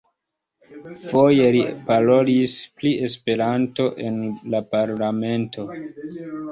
Foje li parolis pri Esperanto en la parlamento.